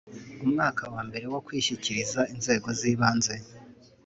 Umwaka wa mbere wo kwishyikiriza inzego zibanze